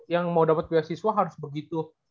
yang mau dapat beasiswa harus begitu